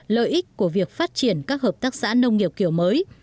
lợi ích của việc phát triển các hợp tác xã nông nghiệp kiểu mới